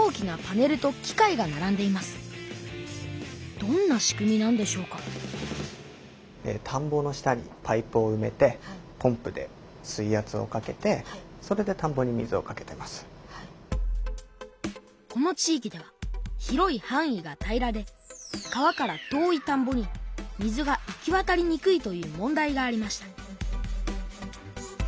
どんな仕組みなんでしょうかこの地域では広いはん囲が平らで川から遠いたんぼに水が行きわたりにくいという問題がありました